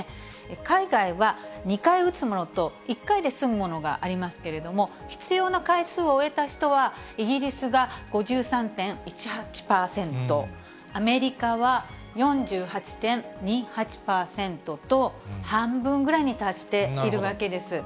海外は２回打つものと、１回で済むものがありますけれども、必要な回数を終えた人は、イギリスが５３．１８％、アメリカは４８．２８％と、半分ぐらいに達しているわけです。